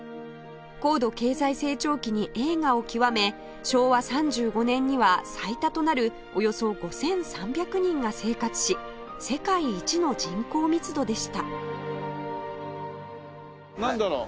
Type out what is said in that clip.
高度経済成長期に栄華を極め昭和３５年には最多となるおよそ５３００人が生活し世界一の人口密度でしたなんだろう？